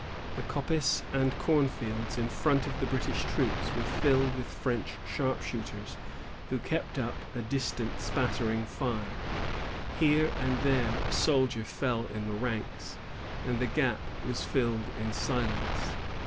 The coppice and cornfields in front of the British troops were filled with French sharpshooters, who kept up a distant, spattering fire. Here and there a soldier fell in the ranks, and the gap was filled in silence.